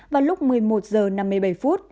vào lúc một mươi một h năm mươi bảy phút